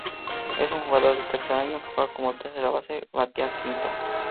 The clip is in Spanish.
Es un jugador de tercer año que juega como tercera base, batea quinto.